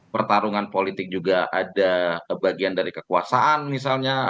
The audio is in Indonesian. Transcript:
pertarungan politik juga ada bagian dari kekuasaan misalnya